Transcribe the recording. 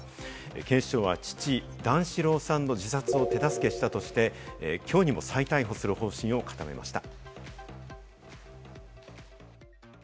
警視庁は父・段四郎さんの自殺を手助けしたとして、きょうにも再逮捕する方針を固めました。